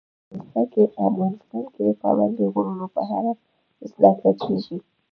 افغانستان کې د پابندي غرونو په اړه زده کړه کېږي.